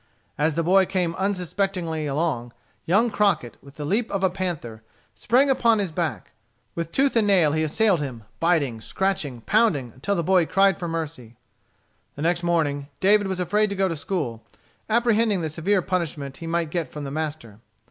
As the boy came unsuspectingly along, young Crockett, with the leap of a panther, sprang upon his back. With tooth and nail he assailed him, biting, scratching, pounding, until the boy cried for mercy. The next morning, David was afraid to go to school, apprehending the severe punishment he might get from the master.